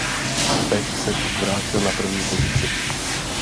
Pech se tak vrátil na první pozici.